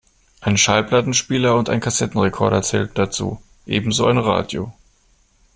Ein Schallplattenspieler und ein Kassettenrekorder zählten dazu, ebenso ein Radio.